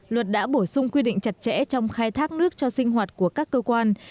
luật đã bổ sung quy định chặt chẽ trong khai thác nước cho sinh hoạt của các cơ quan